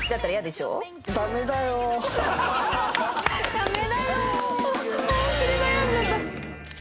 ダメだよお。